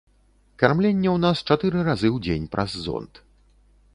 Кармленне ў нас чатыры разы ў дзень праз зонд.